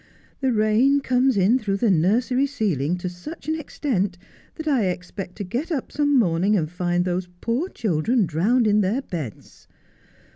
'The rain conies in through the nursery ceiling to such an extent that I expect to get up some morning and find those poor children drowned in their beds.